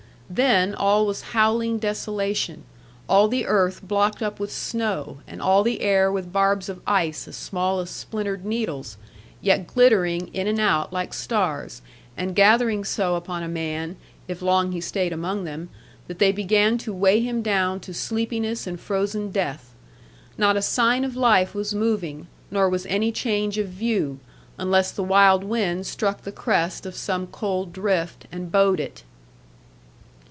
Then all was howling desolation, all the earth blocked up with snow, and all the air with barbs of ice as small as splintered needles, yet glittering, in and out, like stars, and gathering so upon a man (if long he stayed among them) that they began to weigh him down to sleepiness and frozen death. Not a sign of life was moving, nor was any change of view; unless the wild wind struck the crest of some cold drift, and bowed it.